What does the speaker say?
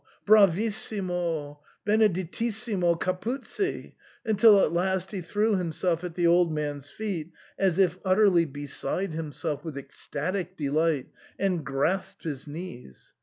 Bravissimo ! BenedettiS' simo Cqpuzzi !'* until at last he threw himself at the old man's feet as if utterly beside himself with ecstatic de light, and grasped his knees.